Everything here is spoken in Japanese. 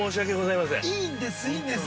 ◆いいんですいいんです。